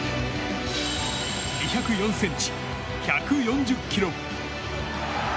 ２０４ｃｍ、１４０ｋｇ。